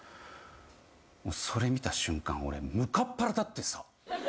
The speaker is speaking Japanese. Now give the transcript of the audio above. もうそれ見た瞬間俺むかっ腹立ってさ。